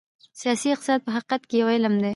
سیاسي اقتصاد په حقیقت کې یو علم دی.